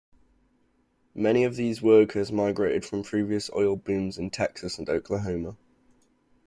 Many of these workers migrated from previous oil booms in Texas and Oklahoma.